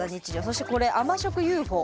そしてこれ「甘食ＵＦＯ」。